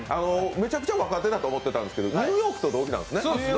めちゃくちゃ若手だと思ってたんですけどニューヨークと同期なんですね？